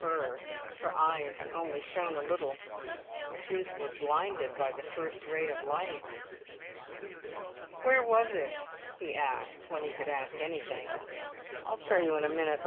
Her eyes only shone a little, but his were blinded by the first ray of light. "Where was it?" he asked, when he could ask anything. "I'll tell you in a minute.